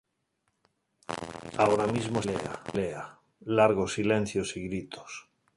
Ahora mismo están de pelea, largos silencios y gritos